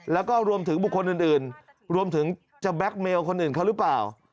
แล้วก็รวมถึงบุคคลอื่นรวมถึงจะแก๊กเมลคนอื่นเขาหรือเปล่า